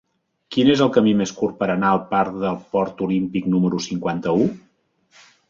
Quin és el camí més curt per anar al parc del Port Olímpic número cinquanta-u?